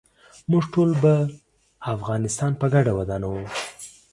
موږ ټول به افغانستان په ګډه ودانوو.